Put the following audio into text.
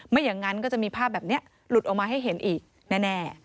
ไม่อย่างนั้นก็จะมีภาพแบบนี้หลุดออกมาให้เห็นอีกแน่